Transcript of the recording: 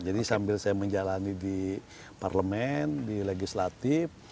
jadi sambil saya menjalani di parlemen di legislatif